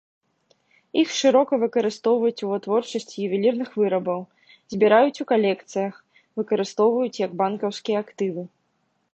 Іх шырока выкарыстоўваюць у вытворчасці ювелірных вырабаў, збіраюць у калекцыях, выкарыстоўваюць як банкаўскія актывы.